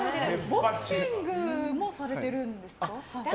ボクシングもされてるんですか。